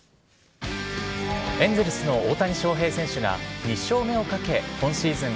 エンゼルスの大谷翔平選手が２勝目をかけ今シーズン